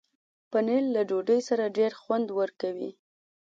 پنېر له ډوډۍ سره ډېر خوند ورکوي.